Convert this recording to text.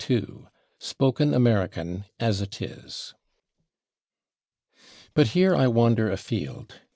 § 2 /Spoken American As It Is/ But here I wander afield.